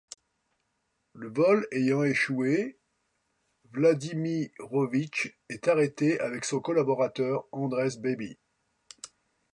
Le vol ayant échoué, Wladimirovich est arrêté avec son collaborateur Andrés Babby.